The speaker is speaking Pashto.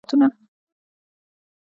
ټول سامان او رنګ په رنګ سوغاتونه